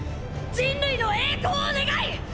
人類の栄光を願い！